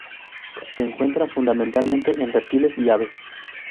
Se encuentra fundamentalmente en reptiles y aves.